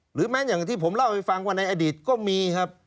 หรือแม้อย่างที่ผมเล่าให้ฟังว่าในอดีตก็มีครับ